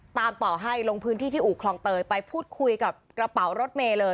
ตามต่อให้ลงพื้นที่ที่อู่คลองเตยไปพูดคุยกับกระเป๋ารถเมย์เลย